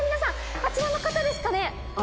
あちらの方ですかね。